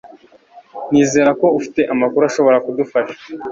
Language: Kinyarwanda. Nizera ko ufite amakuru ashobora kudufasha.